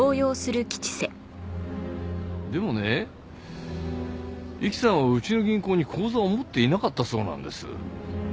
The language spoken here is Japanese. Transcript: でもね壱岐さんはうちの銀行に口座を持っていなかったそうなんです。